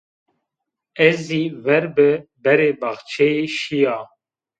Ez zî ver bi berê baxçeyî şîya